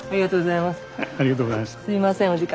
すいませんお時間。